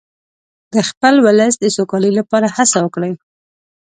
د خپل ولس د سوکالۍ لپاره هڅه وکړئ.